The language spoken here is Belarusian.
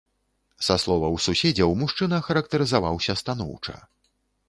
Са словаў суседзяў, мужчына характарызаваўся станоўча.